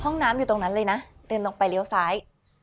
ห้องน้ำอยู่ตรงนั้นเลยนะเดินลงไปเลี้ยวซ้าย